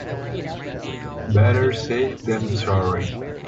Better safe than sorry.